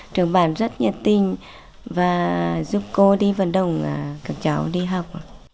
trường bản rất nhiệt tình và giúp cô đi vận động các cháu đi học